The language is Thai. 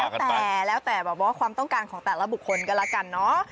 ก็แล้วแต่บอกว่าความต้องการของแต่ละบุคคลกันแล้วกันเนอะ